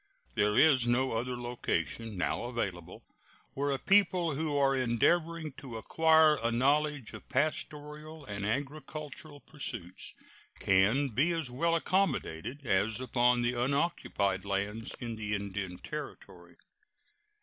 There is no other location now available where a people who are endeavoring to acquire a knowledge of pastoral and agricultural pursuits can be as well accommodated as upon the unoccupied lands in the Indian Territory.